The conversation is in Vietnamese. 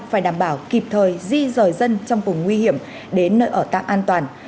phải đảm bảo kịp thời di rời dân trong vùng nguy hiểm đến nơi ở tạm an toàn